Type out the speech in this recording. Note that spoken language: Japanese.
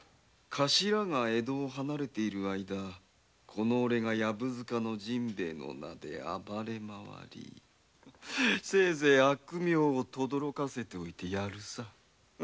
カシラが江戸を離れている間おれが薮塚の陣兵衛の名で暴れまわりせいぜい悪名をとどろかせておいてやるさ。